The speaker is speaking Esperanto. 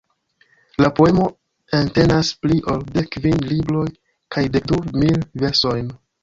La poemo entenas pli ol dekkvin libroj kaj dekdu mil versojn.